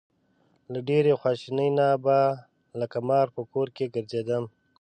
له ډېرې خواشینۍ نه به لکه مار په کور کې ګرځېدم.